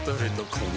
この